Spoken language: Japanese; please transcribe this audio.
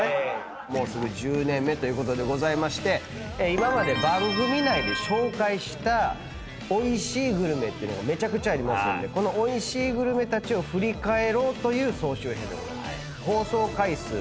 今まで番組内で紹介したおいしいグルメっていうのがめちゃくちゃありますんでこのおいしいグルメたちを振り返ろうという総集編でございます。